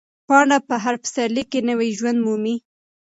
پاڼه په هر پسرلي کې نوی ژوند مومي.